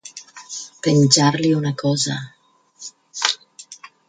Penjar-li una cosa.